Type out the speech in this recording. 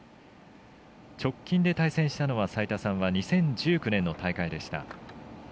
直近で対戦したのは齋田さんは２０１９年の大会でした。